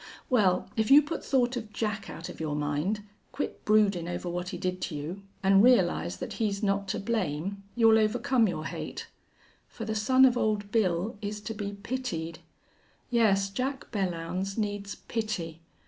Well, if you put thought of Jack out of your mind quit broodin' over what he did to you an' realize that he's not to blame, you'll overcome your hate. For the son of Old Bill is to be pitied. Yes, Jack Belllounds needs pity.